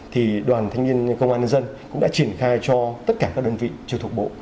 thì đoàn thanh niên công an nhân dân cũng đã triển khai cho tất cả các đơn vị chưa thuộc bộ